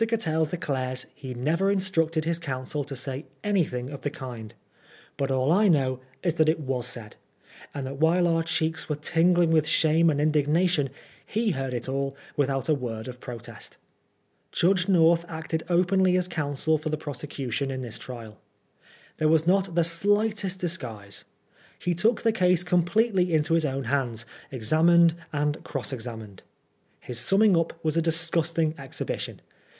Cattell declares that he never instructed his counsel to say any thing of the kind ; but all I know is that it was said, and that while our cheeks were tingling with shame and indignation, he heard it all without a word of protest. Judge North acted openly as counsel for the prose cution in this trial. There was not the slightest dis guise. He took the case completely into his own hands, examined and cross examined. His summing up was a disgusting exhibition.